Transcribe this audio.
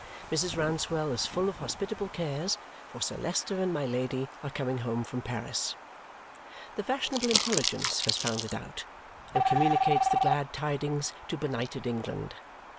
Mrs. Rouncewell is full of hospitable cares, for Sir Leicester and my Lady are coming home from Paris. The fashionable intelligence has found it out and communicates the glad tidings to benighted England.